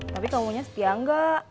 tapi kamu nya setia enggak